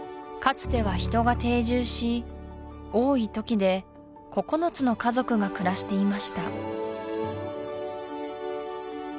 つては人が定住し多い時で９つの家族が暮らしていました